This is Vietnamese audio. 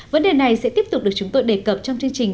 vấn đề này sẽ tiếp tục được chúng tôi đề cập trong chương trình